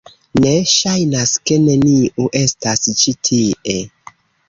Ne, ŝajnas ke neniu estas ĉi tie.